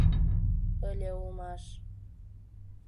Ыле улмаш.